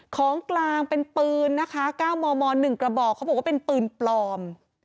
ของกลางเป็นปืนนะคะ๙มม๑กระบอกเขาบอกว่าเป็นปืนปลอม